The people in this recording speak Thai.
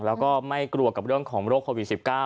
แล้วก็ไม่กลัวกับเรื่องของโรคโควิด๑๙